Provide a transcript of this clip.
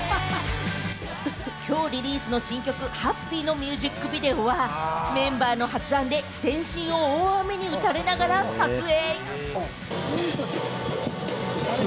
きょうリリースの新曲『ＨＡＰＰＹ』のミュージックビデオは、メンバーの発案で全身を大雨に打たれながら撮影。